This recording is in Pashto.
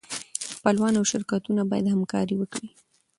خپلوان او شرکتونه باید همکاري وکړي.